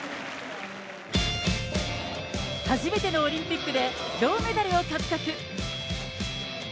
初めてのオリンピックで銅メダルを獲得。